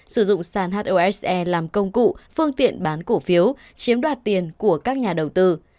sử dụng sàn hose làm công cụ phương tiện bán cổ phiếu chiếm đoạt tiền của các nhà đầu tư